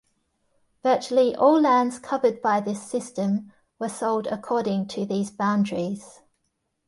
Virtually all lands covered by this system were sold according to these boundaries.